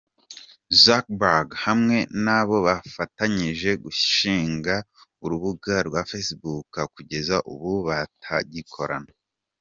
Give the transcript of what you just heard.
Zuckerberg hamwe n'abo bafatanyije gushinga urubuga rwa Facebook kugeza ubu batagikorana.